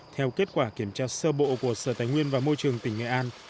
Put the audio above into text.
theo kết quả kiểm tra sơ bộ của sở tài nguyên và môi trường tỉnh nghệ an